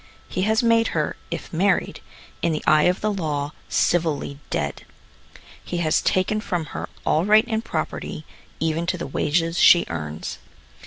He has made her, if married, in the eye of the law, civilly dead. He has taken from her all right in property, even to the wages she earns.